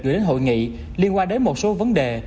gửi đến hội nghị liên quan đến một số vấn đề